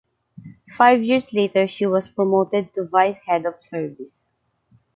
Five years later she was promoted to Vice Head of Service.